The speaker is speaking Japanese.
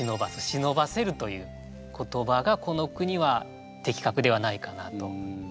忍ばせるという言葉がこの句には的確ではないかなと。